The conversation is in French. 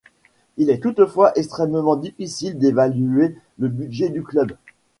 Il est toutefois extrêmement difficile d'évaluer le budget du club.